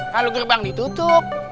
kalo gerbang ditutup